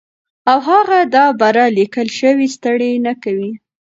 او هغه دا بره ليکلے شوي ستړې نۀ کوي